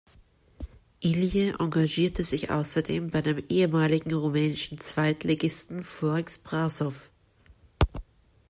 Ilie engagierte sich außerdem bei dem ehemaligen rumänischen Zweitligisten Forex Brașov.